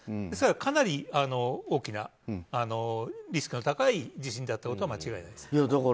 ですから、かなり大きなリスクの高い地震だったことは間違いないです。